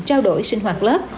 trao đổi sinh hoạt lớp